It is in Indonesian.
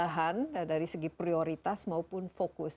apakah ada perubahan dari segi prioritas maupun fokus